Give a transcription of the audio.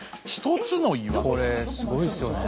１つの岩⁉これすごいですよね。